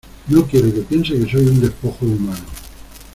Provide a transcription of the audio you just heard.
no quiero que piense que soy un despojo humano.